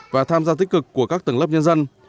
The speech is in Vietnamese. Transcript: và tham gia tích cực của các tầng lớp nhân dân